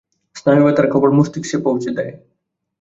স্নায়ু ব্যাথার খবর মস্তিষ্কে পৌঁছে দেয়।